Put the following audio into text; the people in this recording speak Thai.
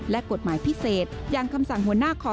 และกฎหมายพิเศษอย่างคำสั่งหัวหน้าคอ